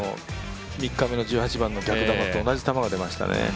３日目の１８番の逆球と同じ球が出ましたね。